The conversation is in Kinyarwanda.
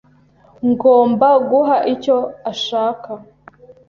Ngomba guha icyo ashaka.